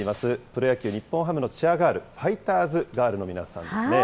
プロ野球・日本ハムのチアガール、ファイターズガールの皆さんですね。